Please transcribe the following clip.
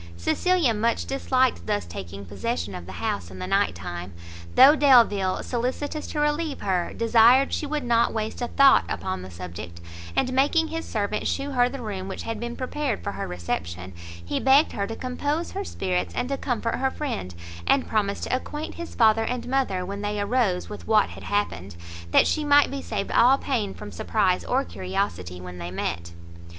Cecilia much disliked thus taking possession of the house in the night time, though Delvile, solicitous to relieve her, desired she would not waste a thought upon the subject, and making his servant shew her the room which had been prepared for her reception, he begged her to compose her spirits, and to comfort her friend, and promised to acquaint his father and mother when they arose with what had happened, that she might be saved all pain from surprise or curiosity when they met.